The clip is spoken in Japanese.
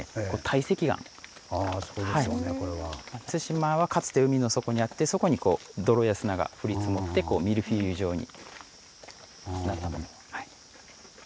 対馬はかつて海の底にあってそこに泥や砂が降り積もってミルフィーユ状になったもの。